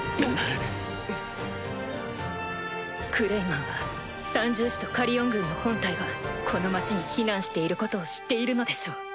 クレイマンは三獣士とカリオン軍の本隊がこの町に避難していることを知っているのでしょう。